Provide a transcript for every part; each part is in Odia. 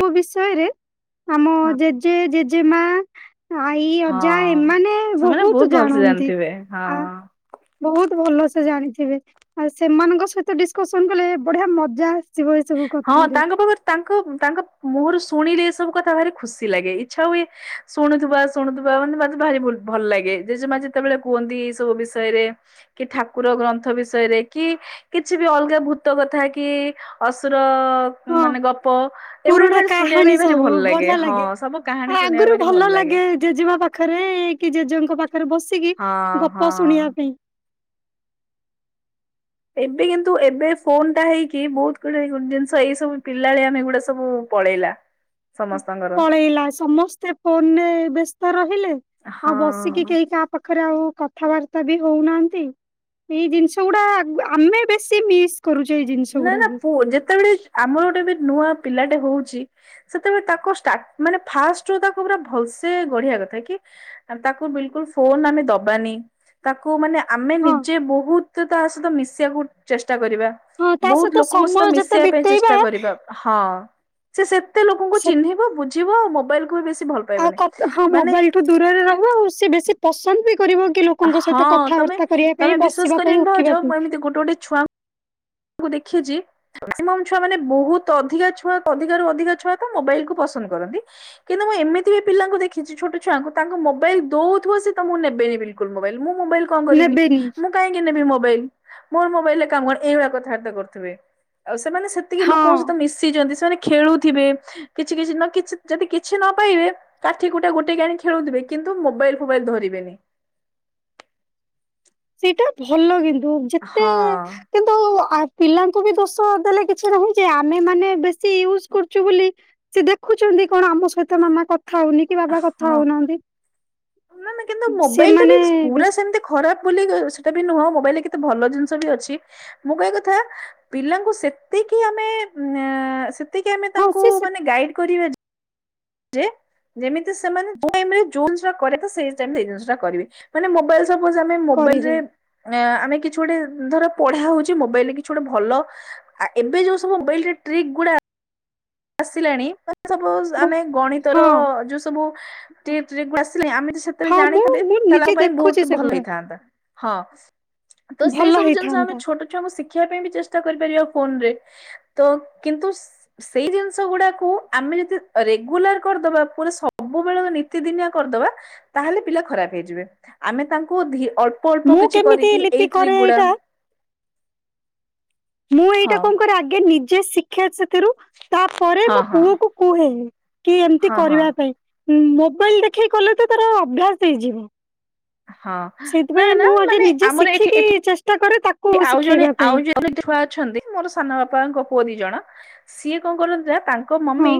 ମୋ ବିଷୟରେ ଆମ ହଁ ଜେଜେ, ଜେଜେମା ଆଇ, ଅଜା ହଁ ଏମାନେ ସେମାନେ ବହୁତ ଭଲସେ ଜାଣନ୍ତି ଜାଣିଥିବେ ହଁ। ଆ ବହୁତ ଭଲସେ ଜାଣିଥିବେ। ଆଉ ସେମାନଙ୍କ ସହିତ ଡିସକସନ କଲେ ବଢିଆ ମଜା ଆସିବ ଏ ସବୁ ହଁ କଥାରେ। ତାଙ୍କ ପାଖରୁ ତାଙ୍କ ତାଙ୍କ ମୁହଁରୁ ଶୁଣିଲେ ଏସବୁ କଥା ଭାରି ଖୁସି ଲାଗେ। ଇଚ୍ଛା ହୁଏ ଶୁଣୁଥିବା ଶୁଣୁଥିବା ମାନେ ମୋତେଭାରି ଭଲ ଲାଗେ ଜେଜେମା ଯେତେବେଳେ କୁହନ୍ତି ଏଇ ସବୁ ବିଷୟରେ କି ଠାକୁର ଗ୍ରନ୍ଥ ବିଷୟରେ କି କିଛି ବି ଅଲଗା ଭୂତ କଥା କି ଅସୁର ଅ ହଁ ମାନେ ଗପ ଏଗୁଡା ପୁରୁଣା ବିଭାରି ଶୁଣିବା କାହାଣୀ ପାଇଁ ଭାରି ସବୁ ଭଲ ଲାଗେ। ବଢିଆ ହଁ ସବୁ ଆଉ କାହାଣୀ ଶୁଣିବା ଆଗରୁ ଭାରି ଭଲ ଲାଗେ। ଲାଗେ ଜେଜେମା ପାଖରେ କି ଜେଜ ପାଖରେ ବସିକି ହଁ ଗପ ହଁ। ଶୁଣିବା ପାଇଁ। ଏବେ କିନ୍ତୁ ଏବେ ଫୋନ ଟା ହେଇକି ବହୁତ ଗୁଡାଏ ଗୋ ଜିନିଷ ଏଇ ସବୁ ପିଲାଳିଆମି ଗୁଡା ସବୁ ପଳେଇଲା। ସମସ୍ତଙ୍କର ପଳେଇଲା ସମସ୍ତେ ଫୋନରେ ବ୍ୟସ୍ତ ରହିଲେ। ଆଉ ହଁ ବସିକି କେହି କାହା ପାଖରେ ଆଉ କଥାବାର୍ତ୍ତା ବି ହଉନାହାନ୍ତି। ଏଇ ଜିନିଷ ଗୁଡା ଆମେ ବେଶୀ ମିସ୍ କରୁଛେ ଏଇ ଜିନିଷ ନା ନା ଗୁଡାକୁ। ପୁ ଯେତେବେଳେ ଆମର ଗୋଟେ ବି ନୂଆ ପିଲାଟେ ହଉଛି ସେତେବେଳେ ତାକୁ ମାନେ ଫାଷ୍ଟରୁ ତାକୁ ପୁରା ଭଲସେ ଗଢିବା କଥା କି। ତାକୁ ବିଲକୁଲ ଫୋନ ଆମେ ଦବାନି ତାକୁ ମାନେ ଆମେ ହଁ ନିଜେ ବହୁତ ତା ସହିତ ମିଶିବାକୁ ଚେଷ୍ଟା କରିବା। ହଁ ତା ବହୁତ ଲୋକଙ୍କ ସହିତ ସମୟ ଯେତେ ମିଶେଇବା ପାଇଁ ବିତେଇବା ଚେଷ୍ଟା କରିବା ହଁ। ହଁ ସେ ସେତେ ଲୋକଙ୍କୁ ସେ ଚିହ୍ନିବ ବୁଝିବ ଆଉ ମୋବାଇଲକୁ ବି ଭଲ ପାଇବନି ଆଉ ହଁ ମାନେ ମୋବାଇଲଠୁ ଦୂରରେ ରହିବ ଆଉ ସେ ବେଶୀ ପସନ୍ଦ ବି କରିବ କି ଲୋକଙ୍କ ହଁ ସହିତ ତମେ କଥାବାର୍ତ୍ତା କରିବା ତମେ ପାଇଁ ବିଶ୍ଵାସ ବସିବା ପାଇଁ କରିବନି ଭାଉଜ ଉଠିବା ପାଇଁ। ମୁଁ ଦେଖେ ଯେ ମ୍ୟାକ୍ସିମମ ଛୁଆ ମାନେ ବହୁତ ଅଧିକା ଛୁଆ ଅଧିକା ରୁ ଅଧିକା ଛୁଆ ତ ମୋବାଇଲ କୁ ପସ କରନ୍ତି କିନ୍ତୁ ମୁଁ ଏମିତି ବି ପିଲାଙ୍କୁ ଦେଖିଛି ଛୋଟ ଛୁଆଙ୍କୁ ତାଙ୍କୁ ମୋବାଇଲ ଦଉଥିବ ସେ ତମଠୁ ନେବେନି। ବିଲକୁଲ ମୋବାଇଲ ମୁଁ ମୋବାଇଲ କଣ କରିବି ନେବେନି। ମୁଁ କାହଁକି ନେବି ମୋବାଇଲ ମୋର ମୋବାଇଲରେ କାମ କଣ ଏଇଭଳିଆ କଥା ର୍ବାତ୍ତା କରୁଥିବେ ଆଉ ସେମାନେ ସେତିକି ଲୋକଙ୍କ ହଁ ସହିତ ମିଶିଛନ୍ତି ସେମାନେ ଖେଳୁଥିବେ କିଛି କିଛି ନ କିଛି ଯଦି କିଛି ନ ପାଇବେ କାଠି କୁଟା ଗୋଟେଇ କି ଆଣି ଖେଳୁଥିବେ କିନ୍ତୁ ନ୍ତୁ ମୋବାଇଲ ଫୋବାଇଲ ଧରିବେନି ସେଇଟା ଭଲ କିନ୍ତୁ ଯେତେ ହଁ। କିନ୍ତୁ ଆ ପିଲାଙ୍କୁ ବି ଦୋଷ ଦେଲେ କିଛି ନାହିଁ ଯେ ଆମେ ମାନେ ବେଶୀ ୟୁଜ କରୁଛୁ ବୋଲି ସେ ଦେଖୁଛ ନ୍ତି କଣ ଆମ ସହିତ ମାମା କଥା ହଉନି କି ବାବା କଥା ହଉନାହାନ୍ତି। ନା ନା କିନ୍ତୁ ମୋବାଇଲ ଟା ବି ସେମାନେ ପୁରା ବେଶ୍ ସେମତି ଖରାପ୍ ବୋଲି ସେଟା ବି ନୁହଁ ମୋବାଇଲରେ କେତେ ଭଲ ଜିନିଷ ବି ଅଛି ମୁଁ କହିବା କଥା ପିଲାଙ୍କୁ ସେ ସେତିକି ଆମେ ଉମ ସେତିକି ଆମେ ହଁ ତାଙ୍କୁ ସେ ସେ ମାନେ ଗାଇଡ କରିବା ଯେ ଯେ ଯେମିତି ସେମାନେ ଯୋଉ ଟାଇମ୍ ରେ ଯୋଉ ଜିନିଷ ଟା କରିବା କଥା ସେଇ ଟାଇମ୍ ରେ ସେଇ ଜିନିଷ ଟା କରିବେ ମାନେ ମୋବାଇଲ ସପୋଜ ଆମେ ମୋବାଇଲ କରିବେ। ରେ ଉମ ଆମେ କିଛି ଗୋଟେ ଧର ପଢା ହଉଛି ମୋବାଇଲରେ କିଛି ଗୋଟେ ଭଲ ଆ ଏବେ ଯୋଉ ସବୁ ମୋବାଇଲ ଟ୍ରିକ୍ ଗୁଡ଼ା। ଆସିଲାଣି ସପୋଜ ବୋ ଆମେ ଗଣିତ ହଁ ର ଯୋଉ ସବୁ ଟ୍ରି ଟ୍ରି ଆମେ ସେତେବେଳେ ହଁ ମୁଁ ଜାଣିଥାନ୍ତେ ମୁଁ ତାହେଲେ ଆମ ନିଜେ ପାଇଁ ବହୁତ ଦେଖୁଛି ଭଲ ସେଗୁଡା ହେଇଥାନ୍ତା ହଁ। ତ ସେଇ ଭଲ ସବୁ ଜିନଷ ଆମେ ହେଇଥାନ୍ତା। ଛୋଟ ଛୁଆଙ୍କୁ ଶିଖ ଶିଖେଇବା ପାଇଁ ବି ଚେଷ୍ଟା କରିପାରିବା ଫୋନରେ ତ କିନ୍ତୁ ସି ସି ସେଇ ଜିନିଷ ଗୁଡାକୁ ଆମେ ଯଦି ରେଗୁଲାର କରିଦବା ପୁରା ସବୁବେଳେ ନୀତିଦିନିଆ କରିଦବା ତାହେଲେ ପିଲା ଖରାପ ହେଇଯିବେ ଆମେ ତାଙ୍କୁ ଧି ଅଳ୍ପ ଅଳ୍ପ ମୁଁ କିଛି କେମିତି କରିକି ଏଇ ଲିପି କରେ ଟ୍ରିକ୍ ଗୁଡ଼ା। ଏଇଟା ମୁଁ ଏଇଟା କଣ କରେ ଆଗେ ନିଜେ ଶିଖେ ସେଥିରୁ ତାପରେ ହଁ ମୋ ହଁ ପୁଅକୁ କୁହେ କି ଏମିତି ହଁ ହଁ କରିବା ପାଇଁ ମୋବାଇଲ ଦେଖେଇ କଲେ ତ ତାର ଅଭ୍ୟାସ ହେଇଯିବ। ହଁ ନା ସେଇଥିପାଇଁ ନା ମୁଁ ଆଗେ ମାନେ ନିଜେ ଆମର ଏଠି ଶିଖିକି ଏଠି ଚେଷ୍ଟା କରେ ତା କୁ ଆଉ ଜଣେ ଶିଖେଇବା ପାଇଁ। ଆଉ ଜଣେ ଛୁଆ ଅଛନ୍ତି ମୋର ସାନ ବାପାଙ୍କ ପୁଅ ଦି ଜଣ ସିଏ କଣ କରନ୍ତି ନା ତା ଙ୍କ ହଁ। ମମି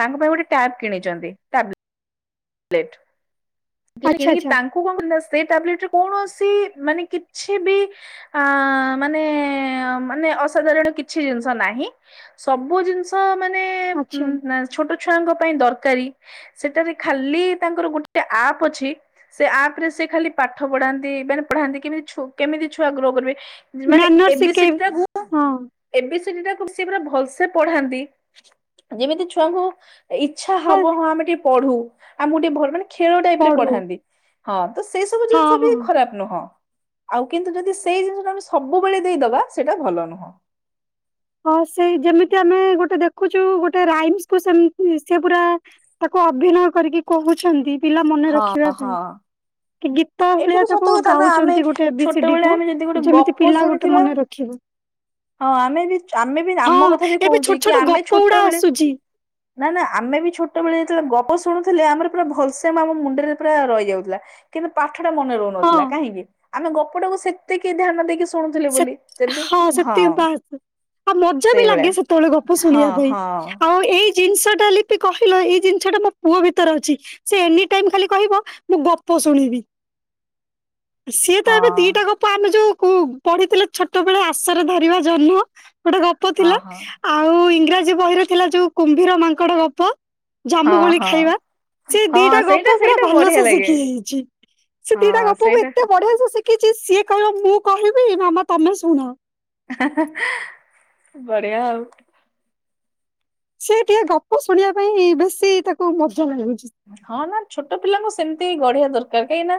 ତାଙ୍କ ପାଇଁ ଗୋଟେ ଟ୍ୟାବ କିଣିଛନ୍ତି ଟ୍ୟାବ ଲେଟ୍ ଦେଲେ ଆଚ୍ଛା କିଣିକି ଆଚ୍ଛା ତାଙ୍କୁ କଣ କରି ନା ସେ ସେ ଟାବଲେଟ ରେ କୌଣସି ମାନେ କିଛି ବି ଆଁ ମାନେ ମାନେ ଅସାଧାରଣ କିଛି ଜିନିଷ ନାହିଁ ସବୁ ଜିନିଷ ମାନେ ଆଚ୍ଛା। ଛୋଟ ଛୁଆଙ୍କ ପାଇଁ ଦରକାରି ସେଠାରେ ଖାଲି ତାଙ୍କର ଗୋଟେ ଆପ୍ ଅଛି ସେ ଆପ୍ ରେ ସେ ଖାଲି ପାଠ ପଢାନ୍ତି ମାନେ ପଢ଼ାନ୍ତି କେମିତି। କେମିତି ଛୁ-ଛୁଆ ଗ୍ରୋ କରିବେ ମାନେ ମ୍ୟାନର ଏ ବି ସି ଡି ଶିଖେଇବି ଟାକୁ ହଁ ଏ ବି ସି ଟାକୁ ସିଏ ପୁରା ଭଲସେ ପଢାନ୍ତି ଯେମିତି ଛୁଆଙ୍କୁ ଇଚ୍ଛା ହଉ ହବ ହଁ ଆମେ ଟିକେ ପଢୁ ଆମକୁ ଟିକେ ଭଲ ମାନେ ଖେଳ ଟାଇପ ରେ ପଢୁ ପଢାନ୍ତି ହଁ। ତ ସେଇ ସବୁ ହଁ ଜିନିଷ ବି ହଁ। ଖରାପ ନୁହଁ। ଆଉ କିନ୍ତୁ ଯଦି ସେଇ ଜିନିଷଟା ଆମେ ସବୁବେଳେ ଦେଇଦବା ସେଇଟା ଭଲ ନୁହଁ। ହଁ ସେଇ ଯେମିତି ଆମେ ଗୋଟେ ଦେଖୁଛୁ ଗୋଟେ ରାଇମ୍ସ କୁ ସେମ ସେ ପୁରା ତାକୁ ଅଭିନୟ କରିକି କହୁଛନ୍ତି। ପିଲା ମନେ ହଁ ରଖିବା ପାଇଁ। ହଁ। କି ଗୀତ ଏଇଟା ଭଳିଆ ବି ସତ ତାକୁ କଥା ନା ଆମେ ଗାଉଛନ୍ତି, ଗୋଟେ ଏ ବି ସି ଡି ଛୋଟବେଳେ କୁ ଆମେ ଯଦି ଗୋଟେ ଯେମିତି ଗପ ପିଲା ଗୋଟେ ଶୁଣିଥିବା ମନେ ରଖିବ। ହଁ ଆମେ ବି, ଆମେ ବି ଆମ ହଁ କଥା ବି ଏବେ ଛୋଟ କହୁଛି। କି ଛୋଟ ଗପ ଆମେ ଗୁଡା ଛୋଟବେଳେ ଆସୁଛି। ନା ନା ଆମେ ବି ଛୋଟବେଳେ, ଯେତେବେଳେ ଗପ ଶୁଣୁ ଥିଲେ ଆମର ପୁରା ଭଲସେ ଆମ ମୁଣ୍ଡରେ ପୁରା ରହିଯାଉଥିଲା। କିନ୍ତୁ ପାଠ ଟା ମନେ ହଁ ରହୁନଥିଲା କାହିଁକି? ଆମେ ଗପଟାକୁ ସେତକି ଧ୍ୟାନ ଦେଇକି ସୂ ଶୁଣୁଥିଲେ ସେ ବୋଲି, ଜେଦି ହଁ। ସେତିକି ବାସ୍। ଆଉ ମଜା ବି ସେଇଭଳିଆ ଲାଗେ ସେତେବେଳେ ଗପ ହଁ ଶୁଣିବା ପାଇଁ। ହଁ ଆଉ ଏଇ ଜିନିଷ ଟା ଲିପି କହିଲ, ଏଇ ଜିନିଷ ଟା ମୋ ପୁଅ ଭିତରେ ଅଛି। ସେ ଏନି ଟାଇମ୍ ଖାଲି କହିବ ମୁଁ ଗପ ସୁଣିବିି। [inaudible] ସିଏ ତ ହଁ ଏବେ ଦିଟା ଗପ ଆମେ ଯୋଉ, କୁ-ପଢିଥିଲେ ଛୋଟବେେଳେ, ଆଶରେ ଧରିବା ଜନ୍ମ। ଗୋଟେ ଗପ ହଁ ଥିଲା। ହଁ। ଆଉ ଇଂରାଜୀ ବହିରେ ଥିଲା। ଯୋଉ କୁମ୍ଭୀର ମାଙ୍କଡ ଗପ। ଜାମ୍ମୁ ହଁ କୋଳି ହଁ ଖାଇବା। ସେ ଦିଟା ହଁ ସେଇଟା ଗପ ପୁରା ସେଇଟା ବଢିଆ ଭଲସେ ଲାଗେ ଶିଖି ଯାଇଛି। ସେ ହଁ ଦିଟା ଗପକୁ ସେଇଟା ଏତେ ବଢିଆ ସେ ଶିଖିଛି। ସିଏ କହିବ ମୁଁ କହିବି ମାମା ତମେ ଶୁଣ। ହା ହା ହା। ବଢଆ ଆଉ। ସେ ଟିକେ ଗପ ଶୁଣିବା ପାଇଁ, ବେଶୀ ତାକୁ ମଜା ଲାଗେ। ହଁ ନା ଛୋଟ ପିଲାଙ୍କୁ ସେମିତି ଗଢ଼ିଆ ଦରକାର। କାହିଁ କିନା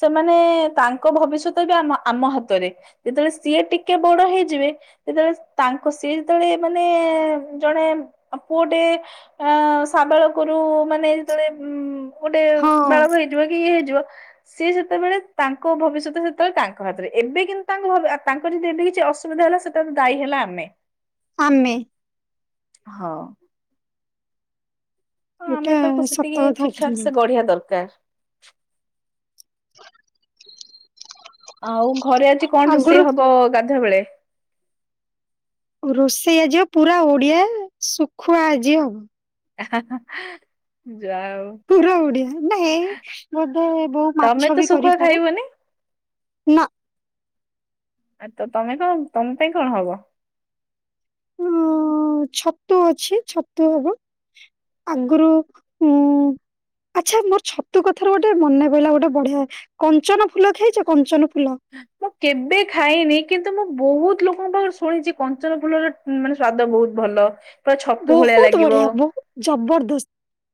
ସେମାନେ ତାଙ୍କ ଭବିଷ୍ୟତ ବି ଆମ- ଆମ ହାତରେ। ଯେତେବେଳେ ସିଏ ଟିକେ ବଡ ହେଇଯିବେ ଯେତେବେଳେ ତାଙ୍କ ସେ ଯେତେବେଳେ, ମାନେ ଜଣେ ପୁଅଟେ ଅ ସାବାଳ କରୁ। ମାନେ ଯେତେବେଳେ ଉ ଗୋଟେ ହଁ ବାଳକ ହେଇଥିବ କି, ଇଏ ହେଇଯିବ ସିଏ ସେତେବେଳେ ତାଙ୍କ ଭବିଷ୍ୟତ ସେତେବେଳେ, ତାଙ୍କ ହାତରେ। ଏବେ କିନ୍ତୁ ତାଙ୍କ, ତାଙ୍କରି ଯଦି ଏବେ କିଛି ଅସୁବିଧା ହେଲା। ସେତେବେଳେ ଦାୟୀ ହେଲା ଆମେ। ଆମେ। ହଁ। ହଁ ଏଇଟା ଆମେ ତାକୁ ସତ ସେତିକି କଥା ଠିକ୍ ଠାକ୍ ସେ ଗଢିଆ ଦରକାର। ଆଉ ଘରେ ଆଜି କଣ ଆଗରୁ ରୋଷେଇ ହବ, ଗାଧୁଆ ବେଳେ? ରୋଷେଇ ଆଜିଅ ପୁରା ଓଡିଆ, ଶୁଖୁଆ ଆଜି ହବ। [inaudible] ପୁରା ଓଡିଆ। ନାଇଁ ବୋଧେ ବହୁ ତମେ ମାଛ ତ ବି ଶୁଖୁଆ କରିପାରେ। ଖାଇବନି ନା। ଆ ତ ତମେ କଣ? ତମ ପାଇଁ କଣ ହବ? ଉଁ ଛତୁ ଅଛି ଛତୁ ହବ। ଆଗରୁ ଉଁ ଆଚ୍ଛା ମୋର ଛତୁ କଥାରେ, ଗୋଟେ ମନେ ପହିଲା ଗୋଟେ ବଢିଆ, କଞ୍ଚନ ଫୁଲ ଖାଇଛ କଞ୍ଚନ ଫୁଲ? ମୁଁ କେବେ ଖାଇନି। କିନ୍ତୁ ମୁଁ ବହୁତ ଲୋକଙ୍କ ପାଖରୁ ଶୁଣିଛି। କଞ୍ଚନ ଫୁଲର ମାନେ ସ୍ଵାଦ ବହୁତ। ଭଲ। ପୁରା ଛତୁ ଭଳିଆ ବହୁତ ଲାଗିବ। ବଢିଆ। ବହୁ ଜବରଦସ୍ତ।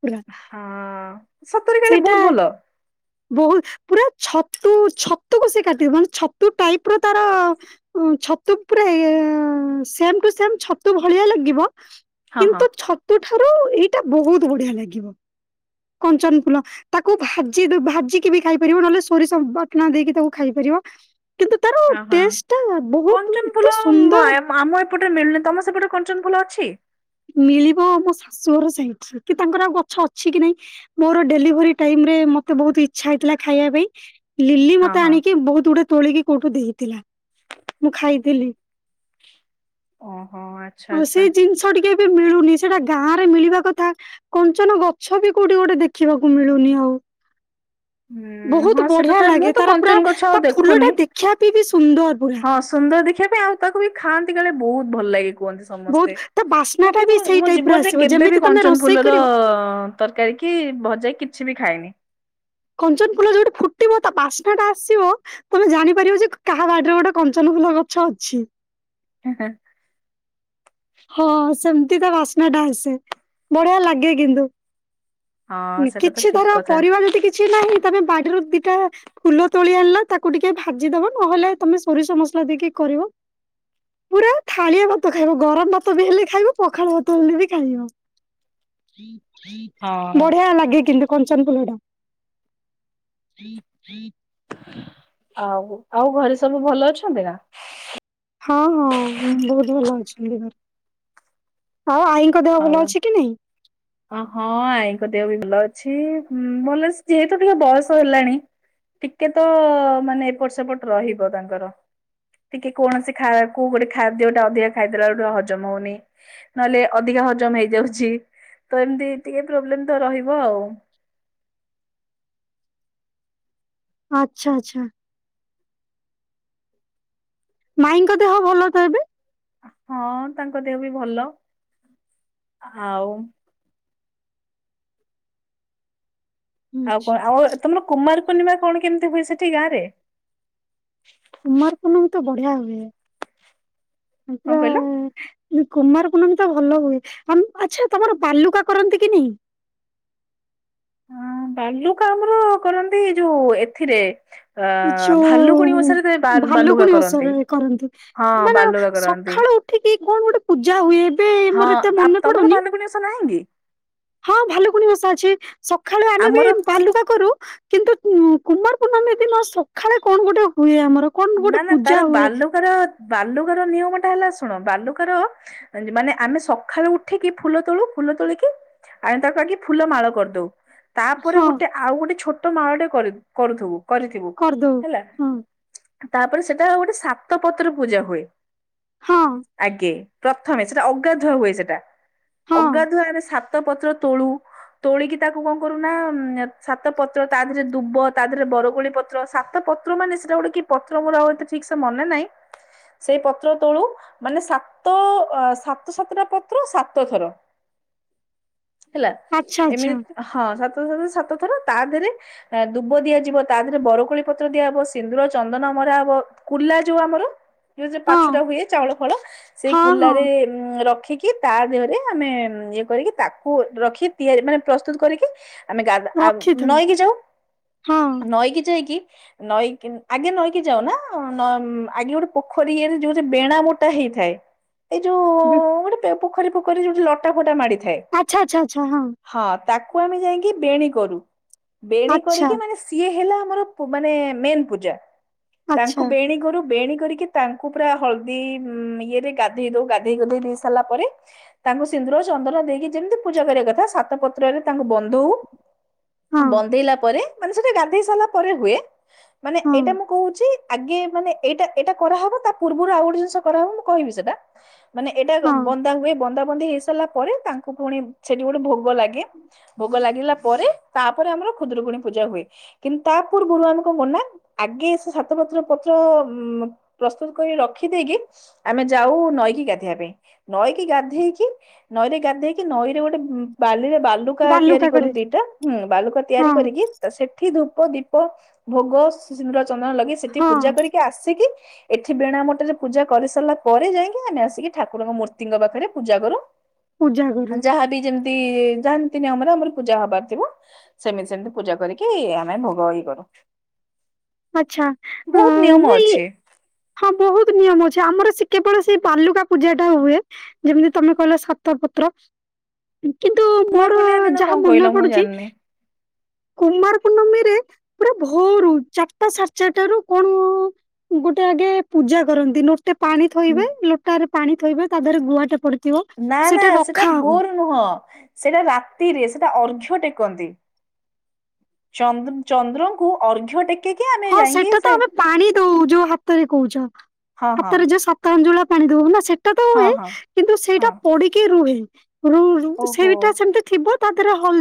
ପୁରା, ହଁ ସତରେ କାଳେ ସେଇଟା ବହୁତ ଭଲ ବହୁତ ପୁରା ଛତୁ ଛତୁ କୁ ସେ କାଟିବ। ମାନେ ଛତୁ ଟାଇପ ର ତାର, ଛତୁ ପୁରା ଆ- ଶେମ ଟୁ ଶେମ ଛତୁ ଭାଲିଆ ଲାଗିବ। ହଁ ହଁ। କିନ୍ତୁ ଛତୁ ଠାରୁ, ଏଇଟା ବହୁତ ବଢିଆ ଲାଗିବ। କଞ୍ଚନ ଫୁଲ ତାକୁ ଭାଜି ଦ-ଭାଜିକି ବି ଖାଇପାରିବ। ନହେଲେ ସୋରିଷ ବାଟଣା ଦେଇକି ତାକୁ ଖାଇପାରିବ। ଯିବ। ଅ ହଁ। କଞ୍ଚନ ଏତେ ଫୁଲ ଆମ ସୁନ୍ଦର ଏପଟେ ମିଳୁନି, ତମ ସେପଟେ କଞ୍ଚନ ଫୁଲ ଅଛି? ମିଳିବ ମୋ ଶାଶୁ ଘର ସାଇଟ୍ ରେ। କି ତାଙ୍କର ଆଉ ଗଛ ଅଛି କି ନାଇଁ। ମୋର ଡେଲିଭରି ଟାଇ ମ୍ ରେ, ମତେ ବହୁତ ଇଛା ହେଇଥିଲା ଖାଇବା ପାଇଁ। ଲିଲି ହଁ ମତେ ହଁ ଆଣିକି ବୋହୁତ୍ ଗୁଡେ ତୋଳିକି କୋଉଠୁ ଦେଇଥିଲା। ମୁଁ ଖାଇଥିଲି। ଓହୋ। ଆଚ୍ଛା ଆଚ୍ଛା। କେବେ ମିଳୁନି। ସେଟା ଗାଁ ରେ ମିଳିବା କଥା। କଞ୍ଚନ ଗଛ ବି କୋଉଠି ଗୋଟେ ଦେଖିବାକୁ ମିଳୁନି ଆଉ। [inaudible] ହୁଁ ବହୁତ ହଁ ସେଟା ବଢିଆ ତ ମୁଁ ଲାଗେ ତ ତାର ପୁରା କଞ୍ଚନ ଗଛ ତା ଆଉ ଫୁଲ ଟା ଦେଖୁନି। ଦେଖିବା ପାଇଁ ବି ସୁନ୍ଦର ପୁରା। ହଁ ସୁନ୍ଦର ଦେଖିବା ପାଇଁ ଆଉ ତାକୁ ବି ଖାଆନ୍ତି କାଳେ ବହୁତ ଭଲ ଲାଗେ। କୁହନ୍ତି ବହୁତ ସମସ୍ତେ ତା ବାସ୍ନା ମୁଁ ଟା ବି କିନ୍ତୁ ସେଇ ମୋ ଟାଇପ ର ଜୀବନରେ ଆସିବ କେବେ ବି ଯେମିତି ତମେ କଞ୍ଚନ ରୋଷେଇ ଫୁଲର କରିବ ତରକାରୀ କି ଭଜା କିଛି ବି ଖାଏନି। କଞ୍ଚନ ଫୁଲ ଯୋଉଠି ଫୁଟିବ ତା ବାସ୍ନା ଟା ଆସିବ ତମେ ଜାଣିପାରିବ ଯେ କାହା ବାଡି ରେ ଗୋଟେ କଞ୍ଚନ। ଫୁଲ ଗଛ ଅଛି। ହଁ [unintelligible] ହଁ ସେମିତି ତ ବାସ୍ନା ଟା ଆସେ ବଢିଆ ଲାଗେ କିନ୍ତୁ। ହଁ ସେଟା ତ କିଛି ଠିକ ଧର କଥା ପରିବା ଯଦି କିଛି ନାହିଁ ତମେ ବାଡିରୁ। ଦିଟା ଫୁଲ ତୋଳି ଆଣିଲ ତାକୁ ଟିକେ ଭାଜିଦବ ନହେଲେ ତମେ ସୋରିଷ ମସଲା ଦେଇକି କରିବ। ପୁରା ଥାାଳିଆ ଭାତ ଖାଇବ ଗରମ। ଭାତ ବି ହେଲେ ଖାଇବ ପଖାଳ ଭାତ ହେଲେ ବି ଖାଇବ। ହଁ ବଢିଆ ଲାଗେ କିନ୍ତୁ। କଞ୍ଚନ ଫୁଲ ଟା। ଆଉ ଆଉ ଘରେ ସବୁ ଭଲ ଅଛନ୍ତି ନା। ହଁ ହଁ ବହୁତ ଭଲ ଅଛନ୍ତି ଘରେ। ଆଉ ଆଈଙ୍କ ଦେହ ଭଲ ଅଛି କି ନାଇଁ? ହପା ହଁ ଆଇଙ୍କ ଦେହ ବି ଭଲ ଅଛି। ଛି ଉଁ ଭଲସେ ଯେହେତୁ ଟିକେ ବୟସ ହେଲାଣି। ଟିକେ ତ ମାନେ ଏପଟ ସେପଟ ରହିବ ତାଙ୍କର। ଟିକେ କୌଣସି ଖାଇବା କୁ ଗୋଟେ ଖାଦ୍ୟଟା ଅଧିକା ଖାଇଦେଲା ବଳକୁ ଟିକେ ହଜମ ହଉନି ନହେଲେ। ଅଧିକା ହଜମ ହେଇଯାଉଛି ତ ଏମତି ଟିକେ ପ୍ରୋବ୍ଲେମ ତ ରହିବ ଆଉ।। ଆଛା ଆଛା। ମାଇଙ୍କ ଦେହ ଭଲ ତ ଏବେ। ହଁ ତାଙ୍କ ଦେହ ବି ଭଲ ଆଉ। ଆଉ କଣ ଆଉ ତମର କୁମାର ପୂର୍ଣ୍ଣିମା କଣ କେମିତି ହୁଏ ସେଠି ଗାଁ ରେ। କୁମାର ପୂର୍ଣ୍ଣିମି ତ ବଢିଆ ହୁଏ କଣ କହିଲ? ପୁରା। କୁମାର ପୂର୍ନମୀ ତ ଭଲ ହୁଏ ଆଚ୍ଛା ତମର ବାଲୁକା କରନ୍ତି କି ନାଇଁ। ହଁ ବାଲୁକା ଆମର କରନ୍ତି ଯୋଉ ଏଥିରେ। ଆ ଭାଲୁକୁଣୀ ଯୋଉ ଓସାରେ ବାଲ୍ ବାଲୁଗା ଭାଲୁକୁଣି କରନ୍ତି ଓଷାରେ କରନ୍ତି। ହଁ ମାନେ ବାଲୁଗା କରନ୍ତି। ସକାଳୁ ଉଠିକି କଣ ଗୋଟେ ପୂଜା ହୁଏ ଏବେ ମୋର ହଁ ଏତେ ଆପ ମନେ ତମର ପଡୁନି। ଭାଲୁକୁଣି ଓଷା ନାହିଁ କି। ହଁ ଭାଲୁକୁଣି ଓଷା ଅଛି ସକାଳୁ ଆମେ ବି ଆମର ବାଲୁକା କରୁ। କରୁ କିନ୍ତୁ ଉଁ କୁମାର ପୂର୍ଣ୍ଣମି ଦିନ ସଖାଳେ କଣ ଗୋଟେ ହୁଏ ଆମର। କଣ ନା ଗୋଟେ ନା ପୂଜା ତାର ହୁଏ। ବାଲୁଗାର ବାଲୁଗାର ନିୟମ ଟା ହେଲା ଶୁଣ ବାଲୁ। କାର ମାନେ ଆମେ ସକାଳୁ ଉଠିକି ଫୁଲ ତୋଳୁ ଫୁଲ ତୋଳିକି। ଆମେ ତାକୁ ଆଗେ ଫୁଲ ମାଳ କରିଦଉ। ତାପରେ ହଁ ଗୋଟେ ଆଉ ଗୋଟେ ଛୋଟ ମାଳ ଟେ କରିବୁ କରୁଥିବୁ କରିଥିବୁ କରିଦଉ ହେଲା। ହଁ ତାପରେ ସେଟା ଗୋଟେ ସାତ ପତ୍ର ପୂଜା ହୁଏ ହଁ ଆଗେ। ପ୍ରଥମେ ସେଟା ଅଗାଧୁଆ ହୁଏ ସେଟା ହଁ ଅଗାଧୁଆ ରେ ସାତ ପତ୍ର ତୋଳୁ। ତୋଳିକି ତାକୁ କଣ କରୁନା ଉଁ ସାତ ପତ୍ର ତା ଦେହରେ ଦୁବ ତା ଦେହରେ ବରକୋଳି ପତ୍ର ସାତ। ପତ୍ର ମାନେ ସେଟା ଗୋଟେ କି ପତ୍ର ମୋର ଆଉ ଏତେ ଠିକ ସେ ମନେ ନାହିଁ। ସେଇ ପତ୍ର ତୋଳୁ ମାନେ ସାତ ସାତ ସାତଟା ପତ୍ର ସାତ ଥର। ହେଲା ଆଚ୍ଛା ଆଚ୍ଛା ଏମିତି ହଁ ସାତ [unintelligible] ସାତ। ତାପରେ ଦୁବ ଦିଆଯିବ ତା ଦେହରେ ବର କୋଳି ପତ୍ର ଦିଆ ହବ ସିନ୍ଦୁର। ଚନ୍ଦନମରା ହବ କୁଲା ଯୋଉ ଆମର। ଯୋଉ ହଁ ପାଛୁଡା ହୁଏ ଚାଉଳ ଫାଉଳ ସେଇ ହଁ ହଁ କୁଲାରେ ଉଁ ରଖ୍। ରଖିକି ତା ଦେହରେ ଆମେ ଇଏ କରିକି ତାକୁ ରଖି ତିଆରି ମାନେ ପ୍ରସ୍ତୁତ କରିକି। ଆମେ ଗାଧ୍ ଆମ୍ ରଖିଥାଉ ନଈକି ଯାଉ ହଁ ନଈକି ଯାଇକି ନଈକି। ଆଗେ ନଈକି ଯାଉ ନା ନ ଆଗେ ଗୋଟେ ପୋଖରୀ ଇଏରେ ଯୋଉଠି ବେଣା ବଟ ହେଇଥାଏ। ଏଇ ଯୋଉ। ଗୋଟେ [unintelligible] ପୋଖରୀ ଫୋଖରି ଯୋଉଟି ଲଟା ଫଟା ମାଡି ଆଚ୍ଛା ଆଚ୍ଛା ଆଛା ହଁ। ତାକୁ ଆମେ ଯାଇକି ବେଣୀ କରୁ। ବେଣୀ ଆଚ୍ଛା କରିକି ମାନେ ସିଏ ହେଲା ଆମର ମାନେ ମେନ୍ ପୂଜା। ତାଙ୍କୁ ଆଚ୍ଛା ବେଣୀ କରୁ, ବେଣୀ କରିକି ତାଙ୍କୁ ପୁରା ହଳଦୀ ଇଏରେ ଗାଧୋଇ ଦଉ। ଗାଧେଇ ଗୁଧେଇ ସାରିଲା ପରେ, ତାଙ୍କୁ ସି ନ୍ଦୁର ଚନ୍ଦନ ଦେଇକି ଯେମିତି ପୂଜା କରିବା କଥା, ସାତ ପତ୍ରରେ ତାଙ୍କୁ ବନ୍ଦଉ। ହଁ ବନ୍ଦେଇଲା ପରେ, ମାନେ ସେଇଟା ଗାଧେଇ ସାରିଲା ପରେ ହୁଏ। ମାନେ ହଁ ଏଇଟା ମୁଁ କହୁଛି ଆଗେ ମାନେ ଏଇଟା ଏଇଟା କରାହବ, ତା ପୂର୍ବରୁ ଆଉ ଗୋଟେ ଜିନିଷ କରାହବ। ମୁଁ କହିବି ସେଇଟା ମାନେ ଏଇଟା ହଁ ବନ୍ଦା ହୁଏ। ବନ୍ଦା ବନ୍ଦି ହେଇ ସାରିଲା ପରେ ତାଙ୍କୁ ପୁଣି ସେଠି ଗୋଟେ ଭୋଗ ଲାଗେ। ଭୋଗ ଲାଗିଲା ପରେ ତାପରେ, ଆମର ଖୁଦୁରୁକୁଣୀ ପୂଜା ହୁଏ। କିନ୍ତୁ ତା ପୂର୍ବରୁ ଆମେ କଣ କରୁ ନା ଆଗେ ସେ ସାତ ପତ୍ର ପତ୍ର ଉ ପ୍ରସ୍ତୁତ କରି ରଖିଦେଇକି, ଆମେ ଯାଉ ନଈ କି ଗାଧେଇବା ପାଇଁ। ନଈକି ଗାଧେଇକି ନଈରେ ଗାଧେଇକି ନଈରେ ଗୋଟେ ବାଲିରେ ବାଲୁ ବାଲୁକା ତିଆରି କରୁ ଦିଟା, ବାଲୁକା ତିଆରି ହଁ କରିକି। ତ ସେଠି ଧୂ ପ, ଦୀପ, ଭୋଗ, ସିନ୍ଦୁର, ଚନ୍ଦନ ଲଗେଇ ସେଠି ହଁ ପୂଜା କରିକି ଆସିକି ଏଠି ବେଣା ମଟରେ ପୂଜା କରି ସାରିଲା ପରେ, ଯାଇକି ଆମେ ଆସିକି ଠାକୁରଙ୍କ ମୂର୍ତ୍ତି ଙ୍କ ପାଖରେ ପୂଜା କରୁ। ପୂଜା କରୁ ଯାହାବି ଯେମ ମିତି ଯାହା ନିତି ନିୟମରେ ଆମର ପୂଜା ହବାର ଥିବ, ସେମିତି ସେମିତି ପୂଜା କରିକି ଆମେ ଭୋଗ ଇଏ କରୁ। [unintelligible] ଆଛା ବହୁତ ନିୟମ ନାଇଁ ଅଛି ହଁ ବହୁତ ନିୟମ ଅଛି ଆମର ସେ କେବଳ ସେଇ ବାଲୁକା ପୂଜା ଟା ହୁଏ। ଯେମିତି ତମେ କହିଲ ସାତ ପତ୍ର କିନ୍ତୁ କୁମାର ମୋର ପୂର୍ଣ୍ଣିମା ଦିନ ଯାହା କଣ କହିଲ ମନେ ମୁଁ ପଡୁଛି, ଜାଣିନି। କୁମାର ପୂଣ୍ଣମୀରେ ପୁରା ଭୋରୁ ଚା ଚାରଟା ସାଢ଼େ ଚାରିଟାରୁ କଣ ଗୋଟେ ଆଗେ ପୂଜା କରନ୍ତି? ନ ଲୋଟା ପାଣିଥୋଇବେ ଲୋଟାରେ ପାଣି ଥୋଇବେ, ତା ଦେହରେ ଗୁଆଟେ ପଡି ନା ନା ସେଟା ଭୋର ନୁହଁ, ସେଇଟା ରାତିରେ ସେଇଟା ଅର୍ଘ୍ୟ ଟେକନ୍ତି, ଚ ଚନ୍ଦ୍ରଙ୍କୁ ଅର୍ଘ୍ୟ ଟେକି ହଁ ସେଇଟା ତ ଆମେ ପାଣି ଦଉ, ଯୋଉ ହାତରେ କହୁଛ। ହଁ ହଁ ହାତରେ ଯୋଉ ସାତ ଆଞ୍ଜୁଳା ପାଣି ଦଉ ନା ସେଟା ତ ହଁ ହୁଏ। ହଁ କିନ୍ତୁ ହଁ ସେଇଟା ପଡିକି ରୁହେ ରୁ ରୁ ଓହୋ। ସେଇଟା ସେମିତି ଥିବ, ତା ଦେହେରେ ହଳ